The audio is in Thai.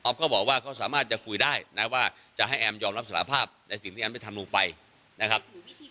ก็บอกว่าเขาสามารถจะคุยได้นะว่าจะให้แอมยอมรับสารภาพในสิ่งที่แอมได้ทำลงไปนะครับ